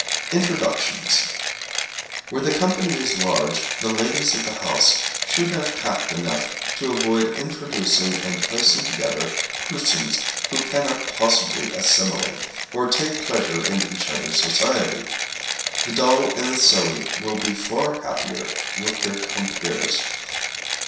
Introductions. Where the company is large, the ladies of the house should have tact enough to avoid introducing and placing together persons who cannot possibly assimilate, or take pleasure in each other's society. The dull and the silly will be far happier with their compeers.